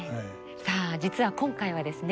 さあ実は今回はですね